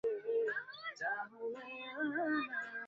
তাই, আমি তোকে মারার চেষ্টা করেছিলাম, কিন্তু তুই পালিয়ে গিয়েছিলি।